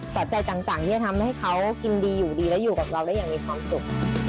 ปัจจัยต่างที่จะทำให้เขากินดีอยู่ดีและอยู่กับเราได้อย่างมีความสุข